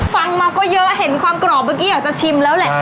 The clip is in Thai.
ฟังมาก็เยอะเห็นความกรอบเมื่อกี้อยากจะชิมแล้วแหละ